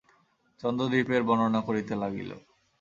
চন্দ্রদ্বীপের বর্ণনা করিতে লাগিল।